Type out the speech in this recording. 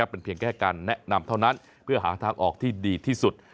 เป็นเพียงแค่การแนะนำเท่านั้นเพื่อหาทางออกที่ดีที่สุด